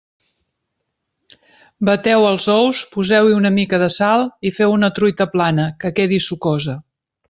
Bateu els ous, poseu-hi una mica de sal i feu una truita plana, que quedi sucosa.